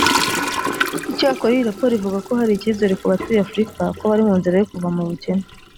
Icyakora iyi raporo ivuga ko hari icyizere ku batuye Afurika ko bari mu nzira yo kuva mu bukene